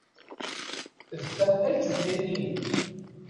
D ta ay d tutlayt-inu.